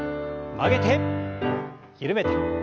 曲げて緩めて。